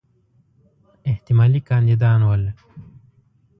احتمالي کاندیدان ول.